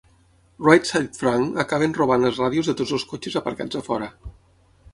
Right Said Frank acaben robant les ràdios de tots els cotxes aparcats a fora.